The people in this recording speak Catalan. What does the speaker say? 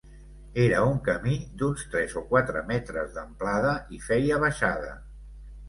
Era un camí d’uns tres o quatre metres d’amplada i feia baixada.